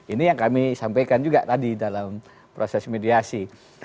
ini yang kami sampaikan juga tadi dalam proses mediasi